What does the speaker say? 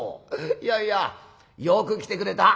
いやいやよく来てくれた。